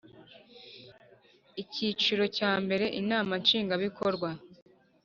Icyiciro cya mbere Inama Nshingwabikorwa